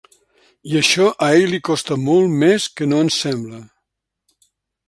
I això a ell li costa molt més que no ens sembla.